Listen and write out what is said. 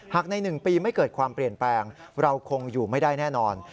หากใน๑ปีไม่เกิดความเปลี่ยนแปลงเราคงอยู่ไม่ได้แน่นอน